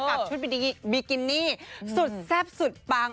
กับชุดบิกินี่สุดแซ่บสุดปัง